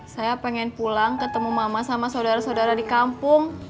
saya pengen pulang ketemu mama sama saudara saudara di kampung